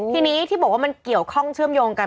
ทีนี้ที่บอกว่ามันเกี่ยวข้องเชื่อมโยงกัน